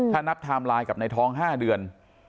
ถ้านับไทม์ไลน์กับในท้อง๕เดือน